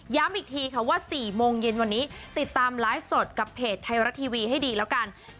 อีกทีค่ะว่า๔โมงเย็นวันนี้ติดตามไลฟ์สดกับเพจไทยรัฐทีวีให้ดีแล้วกัน